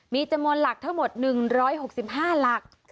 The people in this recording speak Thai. มีจำนวนหลักทั้งหมด๑๖๕หลัก